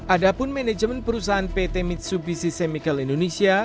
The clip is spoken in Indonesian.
adapun manajemen perusahaan pt mitsubishi semikal indonesia